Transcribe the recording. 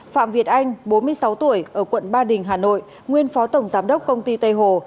phạm việt anh bốn mươi sáu tuổi ở quận ba đình hà nội nguyên phó tổng giám đốc công ty tây hồ